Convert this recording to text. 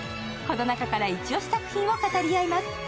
この中からイチオシ作品を語り合います。